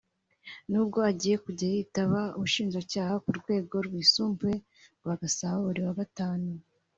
n’ubwo agiye kujya yitaba Ubushinjacyaha ku rwego rwisubuye rwa Gasabo buri wa Gatanu